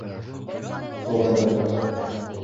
Соланда!